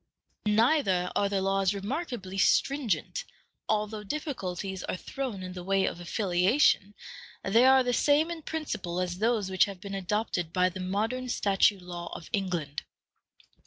Neither are the laws remarkably stringent: although difficulties are thrown in the way of affiliation, they are the same in principle as those which have been adopted by the modern statute law of England.